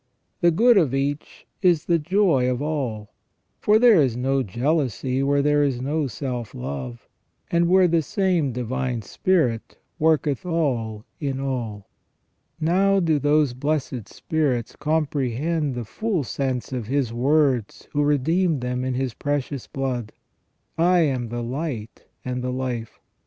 The good of each is the joy of all, for there is no jealousy where there is no self love, and where the same Divine Spirit worketh all in all. Now do those blessed spirits comprehend the full sense of His words who redeemed them in His precious blood :" I am the light and the life ".